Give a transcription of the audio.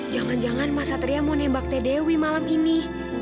jangan jangan masa triang mau nebak teh dewi malam ini